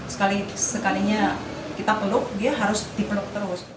sekali sekalinya kita peluk dia harus dipeluk terus